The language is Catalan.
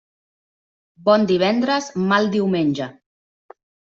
Bon divendres, mal diumenge.